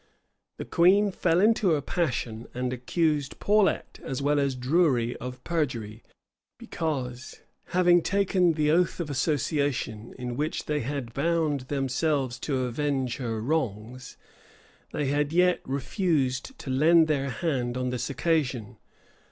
The queen fell into a passion, and accused Paulet as well as Drury of perjury; because, having taken the oath of association, in which they had bound themselves to avenge her wrongs, they had yet refused to lend their hand on this occasion.